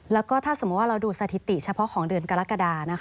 แล้วก็ถ้าสมมุติว่าเราดูสถิติเฉพาะของเดือนกรกฎา